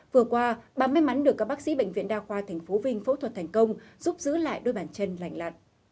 vừa qua bà may mắn được các bác sĩ bệnh viện đa khoa tp vinh phẫu thuật thành công giúp giữ lại đôi bàn chân lành lặn